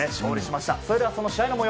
それでは、その試合の模様